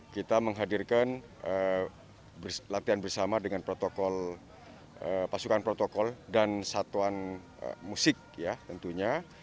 kita menghadirkan latihan bersama dengan pasukan protokol dan satuan musik ya tentunya